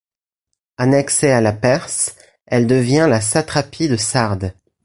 Annexée à la Perse, elle devient la satrapie de Sardes.